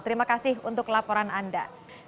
terima kasih untuk laporan anda